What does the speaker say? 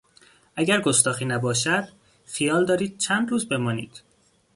اگر گستاخی نباشد -- خیال دارید چند روز بمانید؟